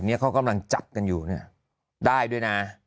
นี่เขากำลังจับกันอยู่ได้ด้วยนะ